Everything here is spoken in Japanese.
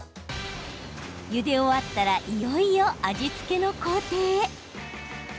ゆで終わったらいよいよ味付けの工程へ。